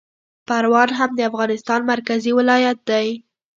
پروان هم د افغانستان مرکزي ولایت دی